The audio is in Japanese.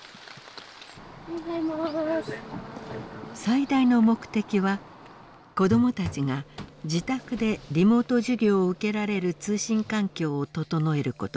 最大の目的は子どもたちが自宅でリモート授業を受けられる通信環境を整えることでした。